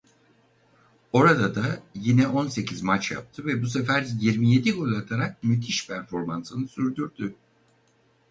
Orada da yine on sekiz maç yaptı ve bu sefer yirmi yedi gol atarak müthiş performansını sürdürdü.